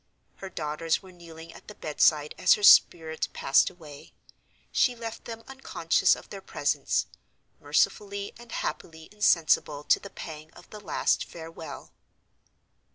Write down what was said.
Her daughters were kneeling at the bedside as her spirit passed away. She left them unconscious of their presence; mercifully and happily insensible to the pang of the last farewell.